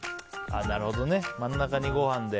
真ん中にご飯で。